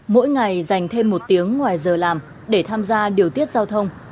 mỗi ngày dành thêm một tiếng ngoài giờ làm để tham gia điều tiết giao thông